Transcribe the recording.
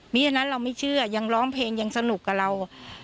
มีฉะนั้นเราไม่เชื่อยังร้องเพลงยังสนุกกับเรา